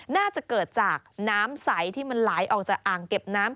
น่าจะเกิดจากน้ำใสที่มันไหลออกจากอ่างเก็บน้ำ